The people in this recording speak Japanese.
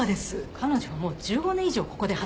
彼女はもう１５年以上ここで働いて。